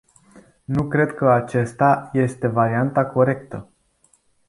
Nu cred că acesta este varianta corectă.